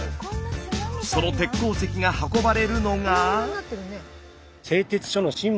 その鉄鉱石が運ばれるのが。